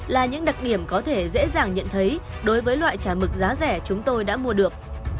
là những đặc điểm có thể dễ dàng nhận thấy đối với loại chả mực giá rẻ chúng tôi đã mua được